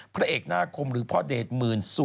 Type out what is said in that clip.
พระเอกหน้าคมหรือพ่อเดชหมื่นสุด